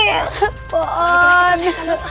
gimana kita sih